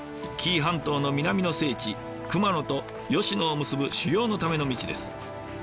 紀伊半島の南の聖地熊野と吉野を結ぶ修行のための道です。